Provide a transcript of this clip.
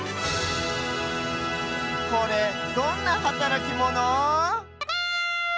これどんなはたらきモノ？